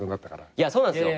いやそうなんすよ。